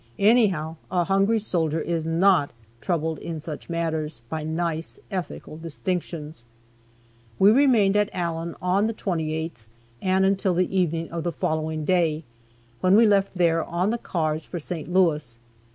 Anyhow, a hungry soldier is not troubled, in such matters, by nice ethical distinctions. We remained at Allen on the 28th, and until the evening of the following day, when we left there on the cars for St. Louis.